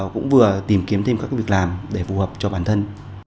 cũng vừa tìm kiếm thêm các việc làm để phù hợp cho bản thân